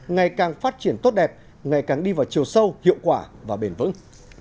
ngày càng phát triển tốt đẹp ngày càng đi vào chiều sâu hiệu quả và bền vững